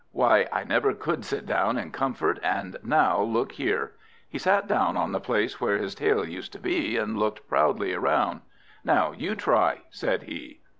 Why, I never could sit down in comfort, and now look here!" He sat down on the place where his tail used to be, and looked proudly round. "Now, you try!" said he.